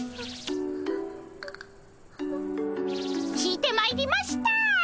聞いてまいりました。